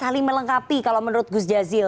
saling melengkapi kalau menurut gus jazil